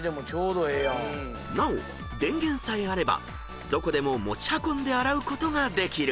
［なお電源さえあればどこでも持ち運んで洗うことができる］